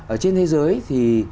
ở trên thế giới thì